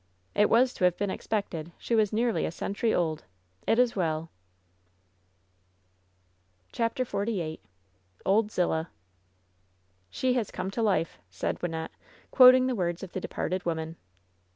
"It was to have been expected. She was nearly a cest' tury old. It is well !" CHAPTER XLVm OLD ZHXAH "She has come to life," said Wynnette, quoting the words of the departed woman.